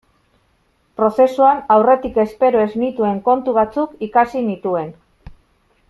Prozesuan aurretik espero ez nituen kontu batzuk ikasi nituen.